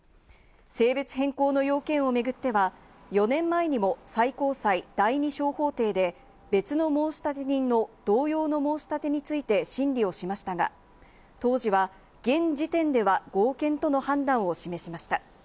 性別変更の要件を巡っては、４年前にも最高裁第ニ小法廷で、別の申立人の同様の申し立てについて審理をしましたが、当時は現時点では合憲との判断を示しました。